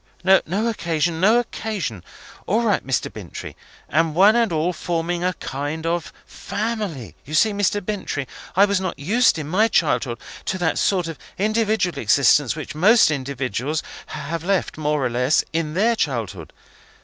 "No occasion, no occasion. All right, Mr. Bintrey. And one and all forming a kind of family! You see, Mr. Bintrey, I was not used in my childhood to that sort of individual existence which most individuals have led, more or less, in their childhood.